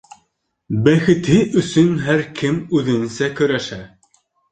Бәхете өсөн һәр кем үҙенсә көрәшә.